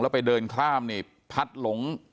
ไปเดินข้ามนี่พัดหลง